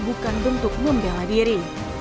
bukan bentuk membela diri